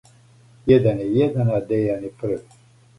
Један је један. А Дејан је први.